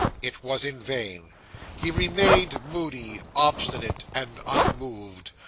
It was in vain. He remained moody, obstinate, and unmoved.